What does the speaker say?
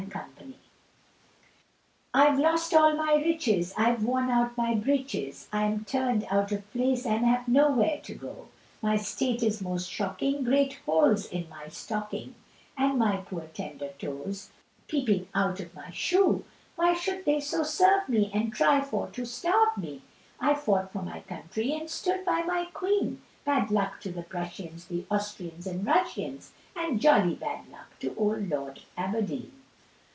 I have lost all my riches, I have worn out my breeches, I am turned out of place, and have nowhere to go, My state is most shocking, great holes in my stocking, And my poor tender toes peeping out of my shoe Why should they so serve me, and try for to starve me? I fought for my country and stood by my Queen. Bad luck to the Prussians, the Austrians, and Russians, And jolly bad luck to old Lord Aberdeen.